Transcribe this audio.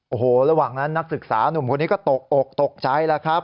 โอ้โหระหว่างนั้นนักศึกษานุ่มคนนี้ก็ตกอกตกใจแล้วครับ